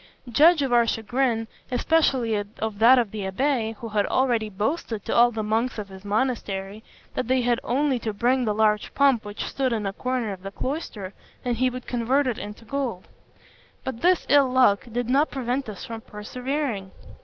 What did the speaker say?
Judge of our chagrin, especially of that of the abbé, who had already boasted to all the monks of his monastery, that they had only to bring the large pump which stood in a corner of the cloister, and he would convert it into gold: but this ill luck did not prevent us from persevering.